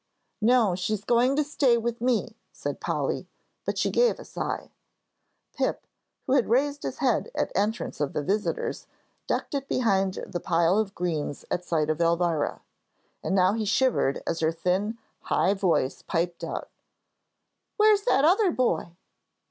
"No, she is going to stay with me," said Polly, but she gave a sigh. Pip, who had raised his head at entrance of the visitors, ducked it behind the pile of greens at sight of Elvira. And now he shivered as her thin, high voice piped out, "Where's that other boy?"